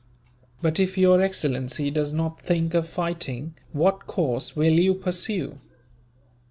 "But if your excellency does not think of fighting, what course will you pursue?"